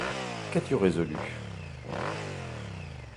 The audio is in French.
Qu’as-tu résolu?